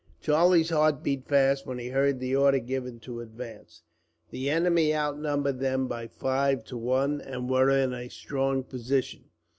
Charlie's heart beat fast when he heard the order given to advance. The enemy outnumbered them by five to one, and were in a strong position.